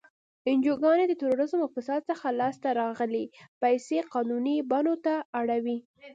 انجوګانې د تروریزم او فساد څخه لاس ته راغلی پیسې قانوني بڼو ته اړوي.